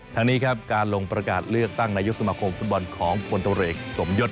ทางนี้ครับการลงประกาศเลือกตั้งนายกสมาคมฟุตบอลของพลตรวจเอกสมยศ